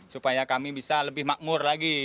supaya kami bisa lebih makmur lagi